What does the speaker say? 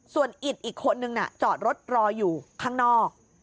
ส่วนอิดอีกคนนึงน่ะจอดรถรออยู่ข้างนอก